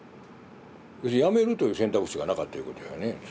やめるという選択肢がなかったいうことやね。